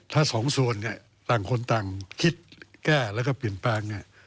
ถ้าสองส่วนต่างคนต่างคิดแก้แล้วก็เปลี่ยนแปลง